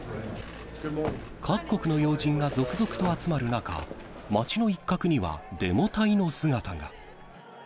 各国の要人が続々と集まる中、街の一角にはデモ隊の姿が。